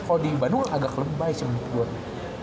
kalo di bandung agak lebih baik sih menurut gue